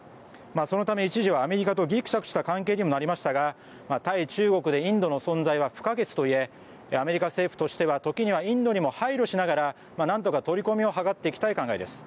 そのため一時はアメリカとぎくしゃくした関係にもなりましたが対中国でインドの存在は不可欠といえアメリカ政府としては時にはインドにも配慮しながらなんとか取り込みを図っていきたい考えです。